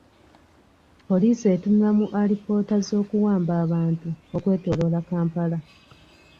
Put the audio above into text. Poliisi etunula mu alipoota z'okuwamba bantu okwetooloola Kampala